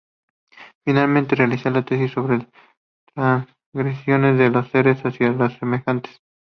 Finalmente realiza una tesis sobre las transgresiones de los seres hacia sus semejantes.